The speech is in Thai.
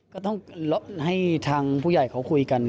ก็ต้องให้ทางผู้ใหญ่เขาคุยกัน